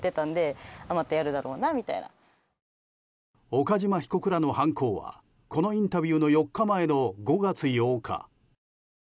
岡島被告らの犯行はこのインタビューの４日前の５月８日。